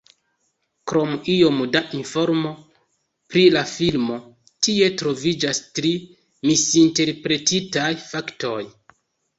Krom iom da informo pri la filmo, tie troviĝas tri misinterpretitaj faktoj.